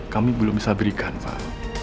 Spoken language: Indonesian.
kami belum bisa berikan pak